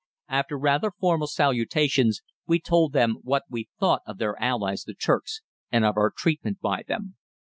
After rather formal salutations we told them what we thought of their allies the Turks, and of our treatment by them.